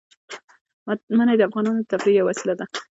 منی د افغانانو د تفریح یوه وسیله ده.